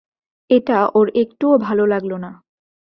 এটা ওর একটুও ভালো লাগল না।